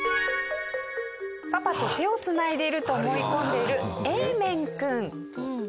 パパと手を繋いでいると思い込んでいるエーメン君。